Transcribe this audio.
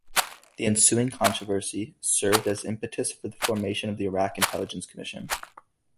The ensuing controversy served as impetus for the formation of the Iraq Intelligence Commission.